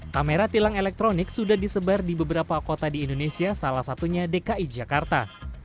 kamera tilang elektronik sudah disebar di beberapa kota di indonesia salah satunya dki jakarta